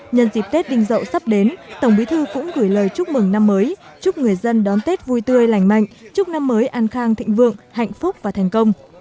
nhân dịp tết đinh dậu sắp đến tổng bí thư cũng gửi lời chúc mừng năm mới chúc người dân đón tết vui tươi lành mạnh chúc năm mới an khang thịnh vượng hạnh phúc và thành công